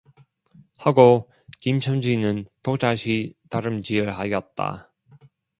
하고, 김첨지는 또다시 달음질하였다.